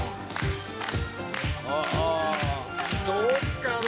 ・どうかな